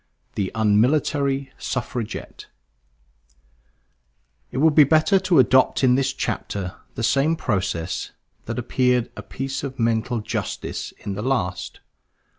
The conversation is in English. THE UNMILITARY SUFFRAGETTE It will be better to adopt in this chapter the same process that appeared a piece of mental justice in the last.